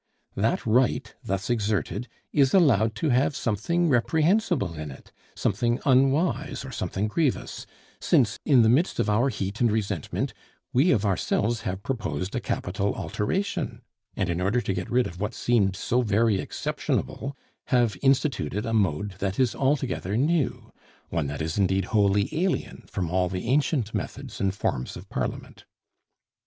That right, thus exerted, is allowed to have something reprehensible in it something unwise, or something grievous: since in the midst of our heat and resentment we of ourselves have proposed a capital alteration, and in order to get rid of what seemed so very exceptionable have instituted a mode that is altogether new; one that is indeed wholly alien from all the ancient methods and forms of Parliament.